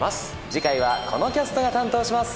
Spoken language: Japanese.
次回はこのキャストが担当します。